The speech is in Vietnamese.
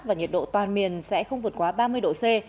và nhiệt độ toàn miền sẽ không vượt quá ba mươi độ c